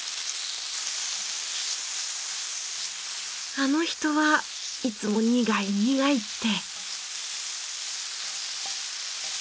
あの人はいつも苦い苦いって。